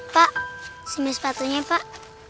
pak simil sepatunya pak